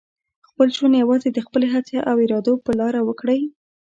خپل ژوند یوازې د خپلې هڅې او ارادو په لاره وکړئ.